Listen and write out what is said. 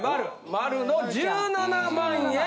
丸の１７万円。